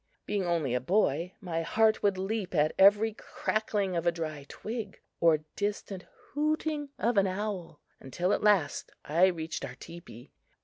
Being only a boy, my heart would leap at every crackling of a dry twig or distant hooting of an owl, until, at last, I reached our teepee.